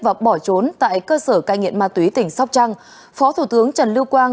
và bỏ trốn tại cơ sở cai nghiện ma túy tỉnh sóc trăng phó thủ tướng trần lưu quang